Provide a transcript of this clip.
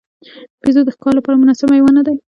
بیزو د ښکار لپاره مناسب حیوان نه دی.